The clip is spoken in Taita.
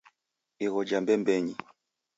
Igho ja mbembenyi